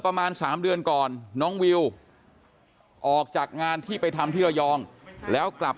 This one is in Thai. ประมาณ๓เดือนก่อนน้องวิวออกจากงานที่ไปทำที่ระยองแล้วกลับ